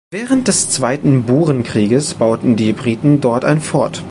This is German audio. Während des Zweiten Burenkriegs bauten die Briten dort ein Fort.